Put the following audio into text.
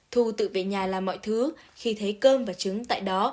thu tự về nhà làm mọi thứ khi thấy cơm và trứng tại đó